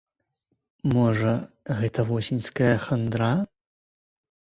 Можа, гэта восеньская хандра?